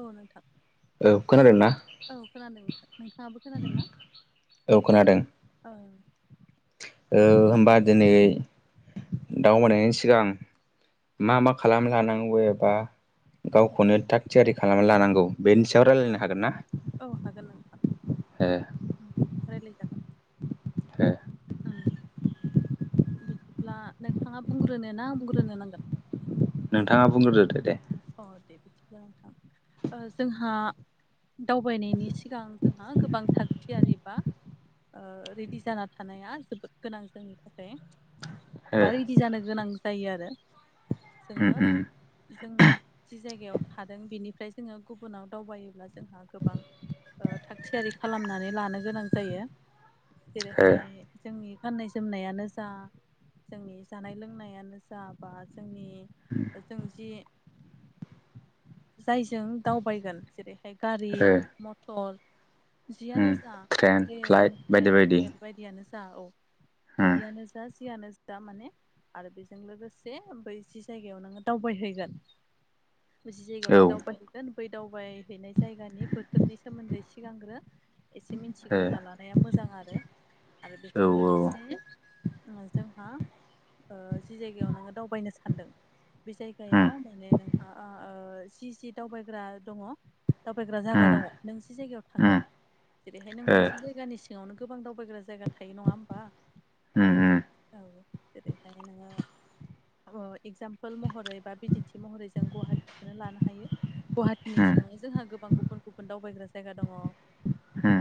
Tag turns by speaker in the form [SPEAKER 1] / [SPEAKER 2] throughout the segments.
[SPEAKER 1] औ नोंथां।
[SPEAKER 2] औ खोनादोंना
[SPEAKER 1] औ खोनादों नोंथां नोंथाङाबो खोनादोंना?
[SPEAKER 2] औ खोनादों
[SPEAKER 1] औ।
[SPEAKER 2] औ होमबा दिनै दावबायनायनि सिगां मा मा खालाम लानांगौ एबा
[SPEAKER 1] रेडि
[SPEAKER 2] गावखौनो थाग थियारि खालामना लानांगौ बेनि सायाव रायल
[SPEAKER 1] औ औ हागोन नोंथां
[SPEAKER 2] ओ
[SPEAKER 1] रायलाय जागोन।
[SPEAKER 2] ह [unintelligible]
[SPEAKER 1] उम बिदिब्ला नोंथाङा बुंग्रोनो ना बुंग्रोनो नांगोन?
[SPEAKER 2] नोंथाङा बुंग्रोदोदो दे
[SPEAKER 1] अ दे बिदिब्ला नोंथां जोंहा दावबायनायनि सिगां जोंहा गोबां थागथियारि बा ओ रेडि जाना थानाया जोबोद गोनां जोंनि थाखाय।
[SPEAKER 2] ओ
[SPEAKER 1] बा रेडदि जानो गोनां जायो आरो।
[SPEAKER 2] उम
[SPEAKER 1] जोङो
[SPEAKER 2] उम
[SPEAKER 1] जोंनि जि जायगायाव थादों बेनिफ्राय जोङो गुबुनाव दावबायोब्ला जोंहा गोबां ओ थाग थियारि खालामनानै लानो गोनां जायो।
[SPEAKER 2] ओ
[SPEAKER 1] जेरैहाय जोंनि गाननाय जोमनायानो जा जोंनि जानाय लोंनायानो जा बा जोंनि जों जि जायजों दावबायगोन जेरैहाय गारि
[SPEAKER 2] ओ
[SPEAKER 1] मटर
[SPEAKER 2] उम
[SPEAKER 1] जियानो जा
[SPEAKER 2] ट्रेन
[SPEAKER 1] र
[SPEAKER 2] फ्लाइट बायदि
[SPEAKER 1] ट्रेन
[SPEAKER 2] बायदि
[SPEAKER 1] रेल बायदियानो जा औ
[SPEAKER 2] उम
[SPEAKER 1] बिदियानो जा जियानो जा दा माने आरो बेजों लोगोसे बै जि जायगायाव नोङो दावबायहैगोन। जि जायगायाव
[SPEAKER 2] औ ओ
[SPEAKER 1] नों दावबायहैगोन बै दावबायहैनाय जायगानि बोथोरनि सोमोन्दै सिगांग्रो एसे
[SPEAKER 2] औ
[SPEAKER 1] मिथिग्रोना लानाया मोजांआरो आरो
[SPEAKER 2] औ
[SPEAKER 1] बेजों
[SPEAKER 2] उम उम ओ उम उम
[SPEAKER 1] लोगोसे उम जोंहा जि जायगायाव नोङो दावबायनो सानदों बे जायगायाव माने नोंहा ओ ओ जि जि दावबायग्रा दङ' दावबायग्रा जागा दङ नों जि जायगायाव थांगोन। जेरैहाय नों मोनसे जायगानि सिङावनो गोबां दावबायग्रा जायगा थायो नङा होमबा ज जेरैखायनो नोङो एगजामपोल महरै बा बिदिन्थि महरै जों गुवाहाटिखौनो लानो हायो गुवाहाटिनि सिङावनो जोंहा गोबां गुबुन गुबुन दावबायग्रा जायगा दङ।
[SPEAKER 2] उम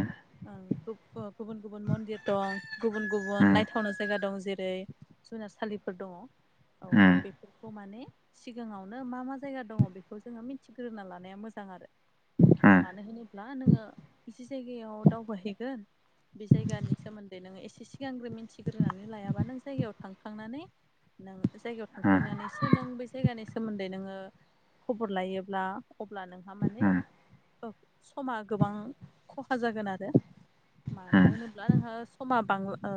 [SPEAKER 1] गुबुन गुबुन मन्दिर दं गुबुन गुबुन नायथावना जायगा दं जेरै जुनारसालिफोर दङ औ
[SPEAKER 2] उम
[SPEAKER 1] बेफोरखौ माने सिगाङावनो मा मा जायगा दङ बेखौ जोङो मिथिग्रोना लानाया मोजां आरो।
[SPEAKER 2] उम
[SPEAKER 1] मानो होनोब्ला नोङो एसे जायगायाव दावबायहैगोन बे जायगानि सोमोन्दै नोङो एसे सिगांग्रो मिथिग्रोनानै लायाबा नों जायगायाव थांखांनानै नों जायगायाव थांखांनानैसो नों बे जायगानि सोमोन्दै नोङो खबर लायोब्ला अब्ला नोंहा माने औ समा गोबां खहा जागोन आरो। मानो होनोब्ला नोंहा समा बांला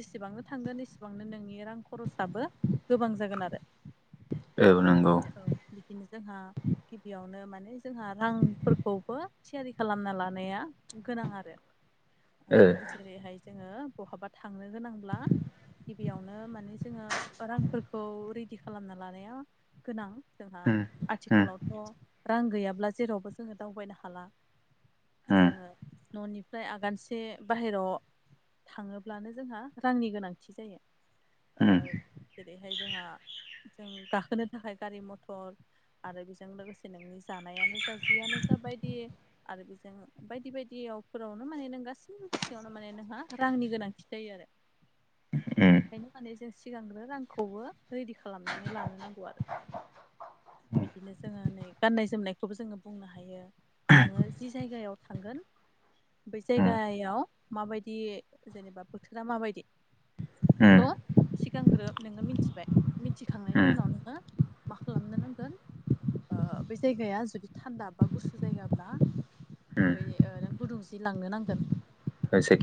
[SPEAKER 1] जेसेबांनो थांगोन एसेबांनो नोंनि रां खरसाबो गोबां जागोन आरो।
[SPEAKER 2] औ नंगौ
[SPEAKER 1] बिदिनो औ बिदिनो जोंहा गिबियावनो माने जोंहा रांफोरखौबो थियारि खालामना लानाया गोनां आरो
[SPEAKER 2] ओ
[SPEAKER 1] जेरैहाय जोङो बहाबा थांनो गोनांब्ला गिबियावनो माने जोङो रांफोरखौ रेडि खालामना लानो नाया गोनां जोंहा
[SPEAKER 2] उम उम
[SPEAKER 1] आथिखालावथ' रां गैयाब्ला जेरावबो जोङो दावबायनो हाला
[SPEAKER 2] उम
[SPEAKER 1] जोङो न'निफ्राय आगानसे बाहेरायाव थाङोब्लानो जोंहा रांनि गोनांथि जायो
[SPEAKER 2] उम
[SPEAKER 1] जेरैहाय जोंहा जों गाखोनो थाखाय गारि मथर आरो बेजों लोगोसे नोंनि जानायानो जा जियानो जा बायदि आरो बेजों बायदि बायदियावफोरावनो माने नों गासैबो बिथिङावनो माने नोंहा रांनि गोनांथि जायो आरो।
[SPEAKER 2] उम
[SPEAKER 1] बेनिखायनो माने जों सिगांग्रो रांखौबो रेडि खालामो खालामनानै लानो नांगौ आरो बिदिनो जोङो नै गान्नाय जोमनायखौबो जोङो बुंनो हायो। नोङो जि जायगायाव थांगोन बै
[SPEAKER 2] उम
[SPEAKER 1] जायगायाव माबायदि जेनेबा बोथोरा माबायदि
[SPEAKER 2] उम
[SPEAKER 1] बेखौ सिगांग्रोब नोङो मिथिबाय मिथिखांनायनि
[SPEAKER 2] उम
[SPEAKER 1] उनाव नोङो मा खालामनो नांगोन बे जायगाया जुदि थान्दा बा गुसु जायगाब्ला
[SPEAKER 2] उम
[SPEAKER 1] मफ्राय नों गुदुंसे लांनो नांगोन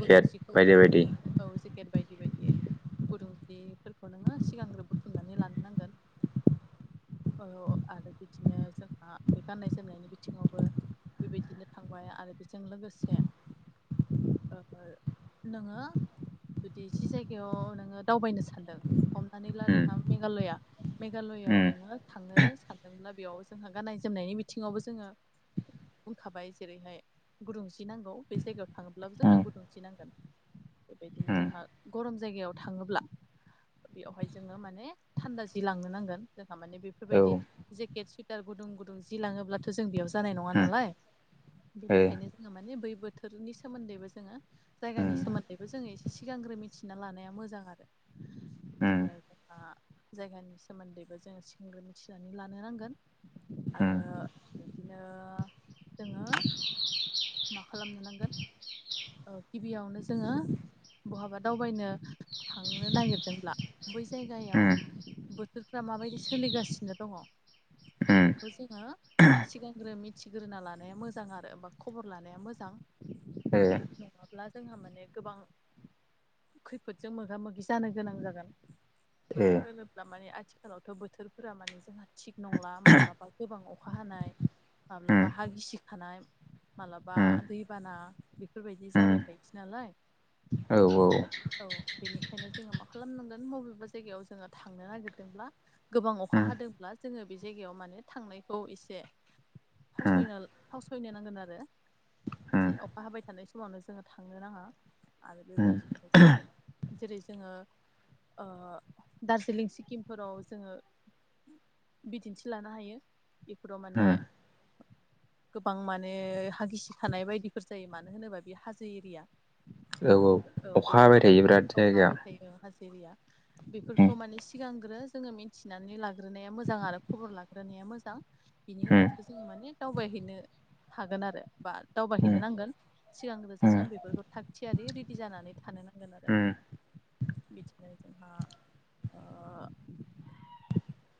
[SPEAKER 1] गुदुं जिखौ
[SPEAKER 2] बायदि
[SPEAKER 1] ओं ओं
[SPEAKER 2] बायदि
[SPEAKER 1] औ जेकेट बायदि बायदि गुदुंहिफोरखौ नोङो सिगांग्रो बुथुमना नानै लांनांगोन औ आरो बिदिनो जोंहा बे गाननाय जोमनायनि बिथिङावबो बेबायदिनो थांबाय आरो बेजों लोगोसे नोङो जुदि जि जायगायाव नोङो दावबायनो सानदों हमनानै ला
[SPEAKER 2] उम
[SPEAKER 1] नोंहा मेघालया मेघालयआव
[SPEAKER 2] उम
[SPEAKER 1] नोङो थांनो सानदोंब्ला बेयाव जोंहा गाननाय जोमनायनि बिथिङावबो जोङो बुंखाबाय जेरैहाय गुदुं जि नांगौ बे जायगायाव थाङोब्लाबो
[SPEAKER 2] उम
[SPEAKER 1] जोंहा गुदुं जि नांगोन बेबायदिनो
[SPEAKER 2] उम
[SPEAKER 1] जोंहा गरम जायगायाव थाङोब्ला बेवहाय जोङो माने माने थान्दा जि लांनो नांगोन जोंहा माने
[SPEAKER 2] औ उम
[SPEAKER 1] बेफोरबायदि
[SPEAKER 2] ओ
[SPEAKER 1] जेकेट सुइटार गुदुं गुदुं जि लाङोब्लाथ' जों बेयाव जानाय नङा
[SPEAKER 2] उम
[SPEAKER 1] नालाय बेनिखायनो
[SPEAKER 2] उम
[SPEAKER 1] जोङो माने बै बोथोरनि सोमोन्दैबो जोङो
[SPEAKER 2] उम
[SPEAKER 1] जायगानि सोमोन्दैबो जोङो एसे सिगांग्रो मिथिना लानाया मोजां आरो
[SPEAKER 2] ओ उम
[SPEAKER 1] बिदिनो आरो ओ जायगानि सोमोन्दैबो जोङो सिगग्रो मिथिनानै लानो नांगोन
[SPEAKER 2] औ उम
[SPEAKER 1] आरो बिदिनो जोङो मा खालामनो नांगोन ओ गिबियावनो जोङो बहाबा दावबायनो थांनो नागिरदोंब्ला बे जायगायाव बोथोरफ्रा माबायदि सोलिगासिनो दङ।
[SPEAKER 2] उम
[SPEAKER 1] बेफोरखौ जोङो सिगांग्रो मिथिग्रोना लानाया मोजां आरो बा खबर लानाया मोजां नङाब्ला जोंहा माने गोबां खैफोदजों मोगा-मोगि जानो गोनां जागोन
[SPEAKER 2] उम उम औ
[SPEAKER 1] मानो होनोब्ला माने आथिखालावथ' बोथोरफोरा माने जोंहा थिग नंला माब्लाबा गोबां अखा हानाय माब्लाबा हा गिसिखानाय माबलाबा दैबाना बेफोरबायदि जाबाय थायोसै नालाय औ बेनिखायनो जोङो मा खालामनांगोन बबेबा जायगायाव जोङो थांनो नागिरदोंब्ला गोबां अखा हादोंब्ला जोङो बे जायगायाव माने थांनायखौ एसे फावसना-फावसयनो नांगोन आरो बिदि अखा हाबाय थानाय समावनो जोङो थांनो नाङा आरो बेबायदिनो जों जेरै जोङो दार्जिलिं सिक्किमफोराव जोङो बिदिन्थि लानो हायो बेफोराव माने गोबां माने हा गिसिखानाय बायदिफोर जायो मानो होनोबा बेयो हाजो एरिया
[SPEAKER 2] औ औ अखा
[SPEAKER 1] बेफोरखौ
[SPEAKER 2] हाबाय थायो
[SPEAKER 1] माने
[SPEAKER 2] बिराद
[SPEAKER 1] अखा
[SPEAKER 2] जायगाया
[SPEAKER 1] हाबाय थायो हाजो एरिया बेफोरखौ माने सिगांग्रो जोङो मिथिनानै लाग्रोनाया मोजां आरो खबर लाग्रोनाया मोजां बिनि
[SPEAKER 2] उम
[SPEAKER 1] उनावसो जोङो माने दावबायहैनो हागोन आरो बा
[SPEAKER 2] उम
[SPEAKER 1] दावबायहैनो नांगोन सिगांग्रोजों
[SPEAKER 2] उम
[SPEAKER 1] आं बेफोरखौ थाग थियारि रेडि जानानै थानो नांगोन आरो नों बिदिनो‌ जोंहा ओ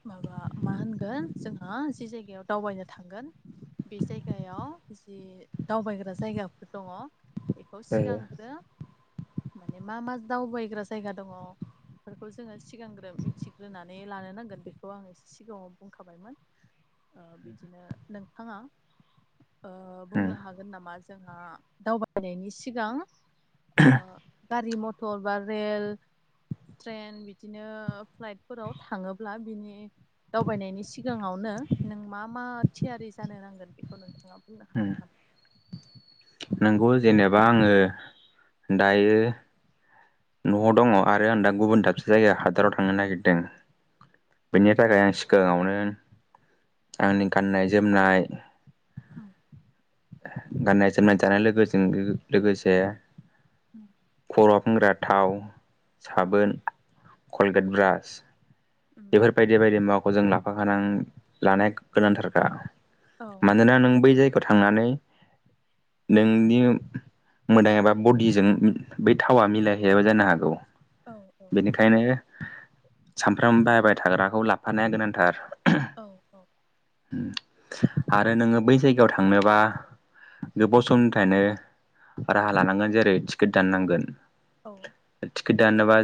[SPEAKER 1] माबा मा होनगोन जोंहा जि जायगायाव दावबायनो थांगोन। बे जायगायाव जि दावबायग्रा जायगाफोर दङ। बेखौ
[SPEAKER 2] उम ओ
[SPEAKER 1] सिगांगांग्रो माने मा मा दावबायग्रा जायगा दङ। बेफोरखौ जोङो सिगांग्रो मिथिग्रोनानै लानो नांगोन बेखौ आङो सिगाङाव बुंखाबायमोन ओ बिदिनो नोंथाङा ओ
[SPEAKER 2] उम
[SPEAKER 1] बुंनो हागोन नामा जोंहा दावबायनायनि सिगां ओ गारि मथर बा रेल ट्रेन बिदिनो फ्लाइटफोराव थाङोब्ला बिनि दावबायनायनि सिगाङावनो नों मा मा थियारि जानो नांगोन बेखौ नों [unintelligible]
[SPEAKER 2] नोंगौ जेनेबा आङो दायो न'आव दङ आरो आं दा गुबुन दाबसे जायगायाव हादराव थांनो नागिरदों बेनि थाखाय आं सिगाङावनो आंनि गाननाय जोमनाय
[SPEAKER 1] औ।
[SPEAKER 2] गाननाय जोमनाय जानाय लोगोजों लो लोगोसे
[SPEAKER 1] उम
[SPEAKER 2] खर' फानग्रा थाव
[SPEAKER 1] औ
[SPEAKER 2] साबोन
[SPEAKER 1] औ
[SPEAKER 2] कलगेट ब्रास
[SPEAKER 1] उम
[SPEAKER 2] बेफोरबायदि बायदि मुाखौ जों लाफाखां लानाया गोनांथारखा
[SPEAKER 1] औ
[SPEAKER 2] मानोना नों बै जायगायाव थांनानै नोंनि मोना एबा बडिजों बे थावा मिलायहैयाबा जानो हागौ।
[SPEAKER 1] औ-औ।
[SPEAKER 2] बेनिखायनो फ्रोम बायबाय थाग्राखौ लाबफानाया गोनांथार।
[SPEAKER 1] औ-औ।
[SPEAKER 2] उम आरो नोङो बै जायगायाव थांनोबा गोबाव समनिफ्रायनो राहा लानांगोन जेरै टिकेट दाननांगोन।
[SPEAKER 1] औ।
[SPEAKER 2] टिकेट दानोबा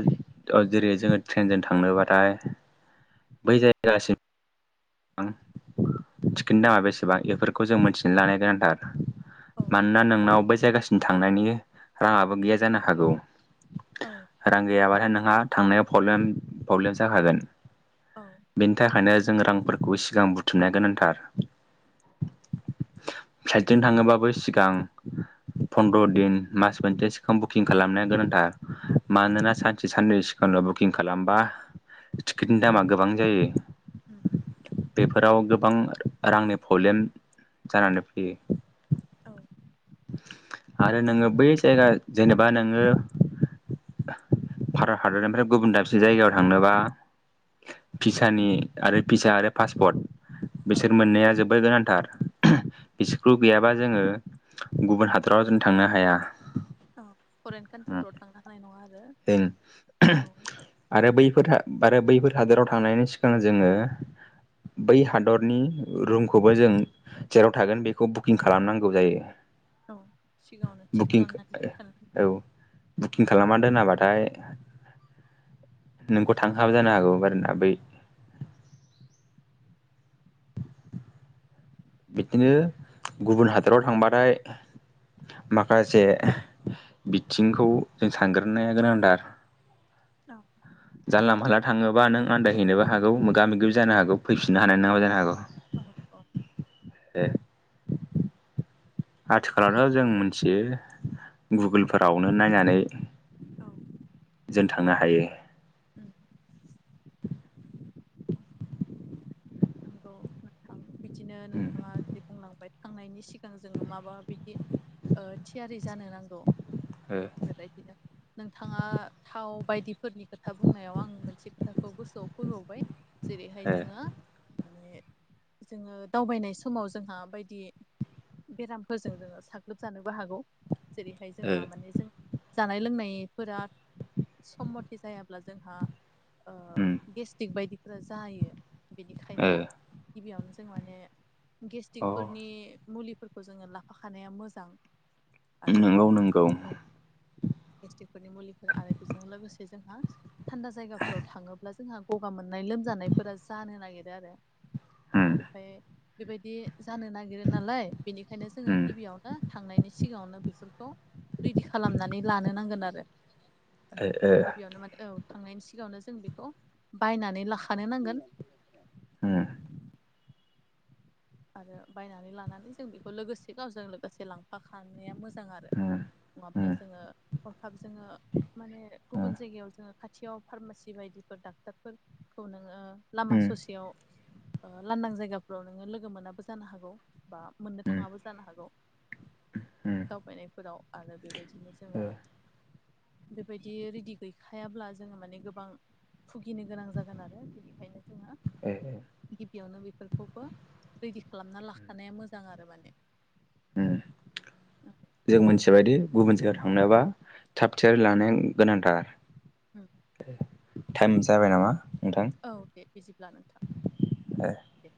[SPEAKER 2] ओ जेरै जोङो ट्रेनजों थांनोबा थाय बै जायगासिम [unintelligible] टिकेटनि दामा बेसेबां बेफोरखौ जों मिथिनानै लानाय गोनांथार।
[SPEAKER 1] औ।
[SPEAKER 2] ना नोंनाव बै जायगासिम थांनायनि राङाबो गैया जानो हागौ।
[SPEAKER 1] औ।
[SPEAKER 2] रां गैयाबाथाय नोंहा थांनायाव प्रब्लेम-प्रब्लेम जाखागोन।
[SPEAKER 1] औ।
[SPEAKER 2] बेनि थाखायनो जों रांफोरखौ सिगां बुथुमनाया गोनांथार। फ्लाइडजों थाङोबाबो सिगां फन्द्र दिन मास मोनसे सिखां बुकिं खालामनाया गोनांथार। मानोना
[SPEAKER 1] उम
[SPEAKER 2] सानसे साननै सिगांल' बुकिं खालामबा टिकेटनि दामा गोबां जायो।
[SPEAKER 1] उम।
[SPEAKER 2] बेफोराव गोबां रांनि प्रब्लेम जानानै फैयो।
[SPEAKER 1] औ।
[SPEAKER 2] आरो नोङो बेै जायगा जेनेबा नोङो भारत हादरनिफ्राय गुबुन दाबसे जायगायाव थांनोबा भिसानि आरो भिसा आरो फासपर्ट
[SPEAKER 1] औ
[SPEAKER 2] बिसोर
[SPEAKER 1] औ
[SPEAKER 2] मोननाया जोबोर गोनांथार बिसोरखौ गैयाबा जोङो गुबुन हादराव जों थांनो हाया।
[SPEAKER 1] औ फरेन कान्ट्रिफ्राव थांनो हानाय नङा आरो
[SPEAKER 2] जों
[SPEAKER 1] औ।
[SPEAKER 2] आरो बैफोर आरो बैफोर हादोराव थांनायनि सिगां जोङो बै हादरनि रुमखौबो जों जेराव थागोन बेखौ बुकिं खालामनांगौ जायो।
[SPEAKER 1] औ। सिगाङावनो थि
[SPEAKER 2] बुकिं
[SPEAKER 1] खालामनानै दोनखानांगोन
[SPEAKER 2] ओ औ बुकिं खालामना दोनाबाथा फाय नोंखौ थांहोआबो जानो हागौ आरोना बै बिदिनो गुबुन हादराव थांबाथाय माखासे बिथिंखौ जों सानग्रोनाया गोनांथार।
[SPEAKER 1] औ।
[SPEAKER 2] जानला मानला थाङोबा नों आनन्दायहैनोबो हागौ मोगा-मोगिबो जानो हागौ फैफिननो हानाय नाङाबो जानो हागौ।
[SPEAKER 1] औ-औ
[SPEAKER 2] ए
[SPEAKER 1] [unintelligible]
[SPEAKER 2] आथिखालावथ' जों मिथियो गुगोलफोरावनो नायनानै।
[SPEAKER 1] औ
[SPEAKER 2] जों थांनो हायो।
[SPEAKER 1] उम। ओ नोंथां बिदिनो नोंथाङा बुंलांबाय थांनायनि सिगां जोङो माबा बिदि ओ थियारि जानो नांगौ।
[SPEAKER 2] हो।
[SPEAKER 1] बेबायदिनो नोंथाङा थाव बायदिफोरनि खोथा बुंनायाव आं मोनसे खोथाखौ गोसोआव फैबावबाय जेरैहाय
[SPEAKER 2] ओ
[SPEAKER 1] जोङो माने जोङो दावबायनाय समाव जोंहा बायदि बेरामफोरजों जोङो साग्लोबजानोबो हागौ जेरैहाय
[SPEAKER 2] ओ
[SPEAKER 1] जोंहा माने जों जानाय लोंनायफोरा सम मथि जायाब्ला जोंहा
[SPEAKER 2] उम
[SPEAKER 1] गेस्टिक बायदिफोरा जायो बेनिखायनो
[SPEAKER 2] ओ
[SPEAKER 1] गिबियावनो जों माने
[SPEAKER 2] अ
[SPEAKER 1] गेस्टिकफोरनि मुलिफोरखौ जोङो लाफाखानाया मोजां आरो
[SPEAKER 2] नंगौ नंगौ
[SPEAKER 1] औ गेस्टिकफोरनि मुलिफोर आरो बेजों लोगोसे जोंहा थान्दा जायगाफोराव थाङोब्ला जोंहा गगा मोननाय लोमजानायफोरा जानो नागिरो आरो औ
[SPEAKER 2] उम
[SPEAKER 1] ओमफ्राय बेबायदि जानो नागिरो नालाय बेनिखायनो जोङो
[SPEAKER 2] उम
[SPEAKER 1] गिबियाव थांनायनि सिगाङावनो बेफोरखौ रेडि खालामनानै लानो नांगोन आरो
[SPEAKER 2] ओ ओ
[SPEAKER 1] गिबियावनो माने औ थांनायनि सिगाङावनो जों बेखौ बायनानै लाखानो नांगोन
[SPEAKER 2] ह
[SPEAKER 1] आरो बायनानै लानानै जों बेखौ लोगोसे गावजों लोगोसे लांफाखानाया मोजां मोजां आरो
[SPEAKER 2] उम
[SPEAKER 1] नङाब्ला
[SPEAKER 2] उम
[SPEAKER 1] जोङो हरखाब जोङो माने गुबुन
[SPEAKER 2] उम
[SPEAKER 1] जायगायाव जोङो साखाथियाव फार्मासि बायदिफोर डाक्टरफोरखौ नोङो लामा
[SPEAKER 2] उम
[SPEAKER 1] ससेयाव लानदां जायगाफोरावनोङो लोगो मोनाबो जानो हागौ बा मोननो थाङाबो जानो हागौ
[SPEAKER 2] उ
[SPEAKER 1] दावबायनायफोराव आरो बेबायदिनो जोङो बेबायदि रेडि गैखायाब्ला जोङो माने गोबां भुगिनो गोनां जागोन आरो बिनिखायनो जोंङो
[SPEAKER 2] ए
[SPEAKER 1] गिबियावनो बेफोरखौबो रेडि खालामना लाखानाया मोजां आरो माने
[SPEAKER 2] उम जों मोनथिबायदि गुबुन जायगायाव थांनोबा थाब थियारि लानाया गोनांथार टाइम जाबाय नामा नोंथां
[SPEAKER 1] औ दे बिदिब्ला नोंथां
[SPEAKER 2] ओ
[SPEAKER 1] दे